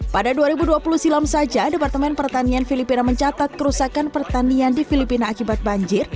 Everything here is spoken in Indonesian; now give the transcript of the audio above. pada dua ribu dua puluh silam saja departemen pertanian filipina mencatat kerusakan pertanian di filipina akibat banjir